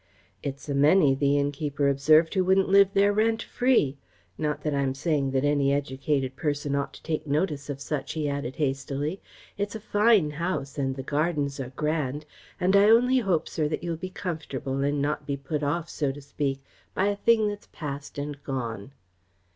"It's a many," the innkeeper observed, "who wouldn't live there rent free not that I'm saying that any educated person ought to take notice of such," he added hastily. "It's a fine house and the gardens are grand, and I only hope, sir, that you'll be comfortable and not be put off, so to speak, by a thing that's passed and gone."